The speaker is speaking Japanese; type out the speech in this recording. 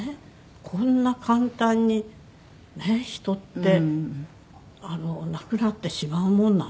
こんな簡単にねえ人って亡くなってしまうものなの？